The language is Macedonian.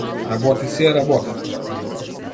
Работи си ја работата.